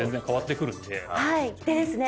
でですね